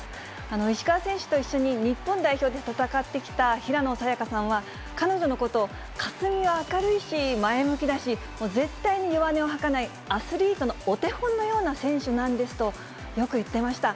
石川選手と一緒に日本代表で戦ってきた平野早矢香さんは、彼女のことを佳純は明るいし、前向きだし、絶対に弱音を吐かない、アスリートのお手本のような選手なんですと、よく言ってました。